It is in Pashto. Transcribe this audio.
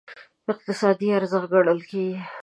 اقتصادي ارزښت ګڼل کېږي.